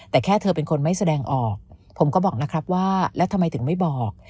แต่แค่เธอเป็นคนไม่แสดงออกผมก็บอกนะครับว่าแล้วทำไมถึงไม่บอก